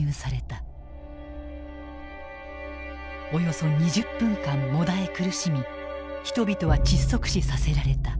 およそ２０分間もだえ苦しみ人々は窒息死させられた。